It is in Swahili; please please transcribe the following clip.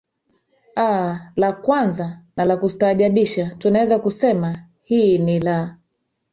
aa la kwanza na la kustaajabisha tunaweza kasema hii ni la